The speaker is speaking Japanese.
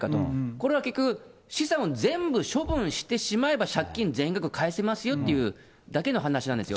これは結局、資産を全部処分してしまえば、借金全額返せますよっていうだけの話なんですよ。